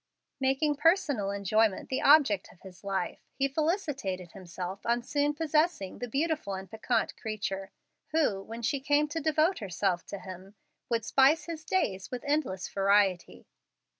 Making personal enjoyment the object of his life, he felicitated himself on soon possessing the beautiful and piquant creature, who, when she came to devote herself to him, would spice his days with endless variety.